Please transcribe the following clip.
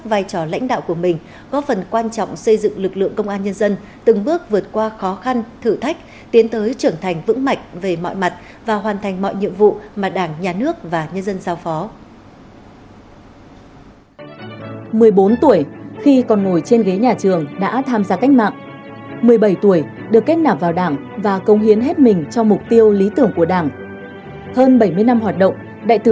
bác luôn luôn trăn trỏ xây dựng lực lượng của người ta không chỉ là tinh nguyện không chỉ là chính quy hiện đại